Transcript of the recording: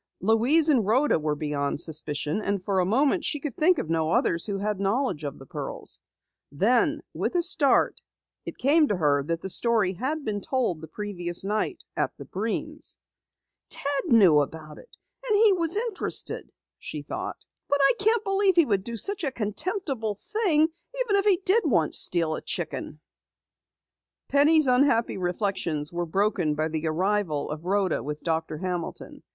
Louise and Rhoda were beyond suspicion, and for a moment she could think of no others who had knowledge of the pearls. Then, with a start, it came to her that the story had been told the previous night at the Breens. "Ted knew about it and he was interested!" she thought. "But I can't believe he would do such a contemptible thing even if he did once steal a chicken." Penny's unhappy reflections were broken by the arrival of Rhoda with Doctor Hamilton.